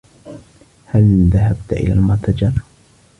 هل ذهبت إلى المتجر؟